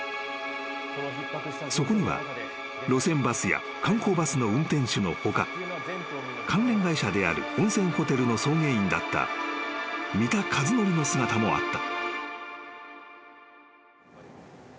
［そこには路線バスや観光バスの運転手の他関連会社である温泉ホテルの送迎員だった三田一徳の姿もあった］